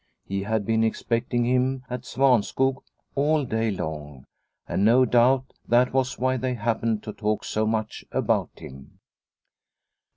He had been expecting him at Svanskog all day long, and no doubt that was why they happened to talk so much about him.